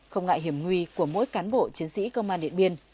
không ngại hiểm nguy của mỗi cán bộ chiến sĩ công an điện biên